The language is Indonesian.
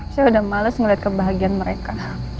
saya udah males ngeliat kebahagiaan mereka